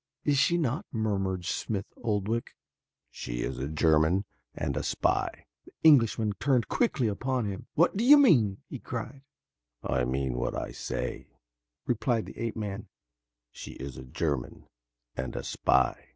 Is she not?" murmured Smith Oldwick. "She is a German and a spy," replied Tarzan. The Englishman turned quickly upon him. "What do you mean?" he cried. "I mean what I say," replied the ape man. "She is a German and a spy."